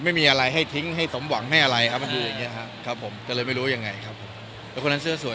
ไม่รู้ยังไงครับเค้านั้นเสื้อสวย